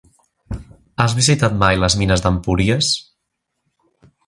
Has visitat mai les mines d'Empúries?